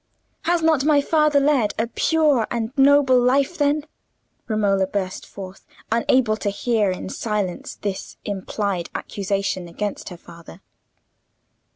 "Has not my father led a pure and noble life, then?" Romola burst forth, unable to hear in silence this implied accusation against her father.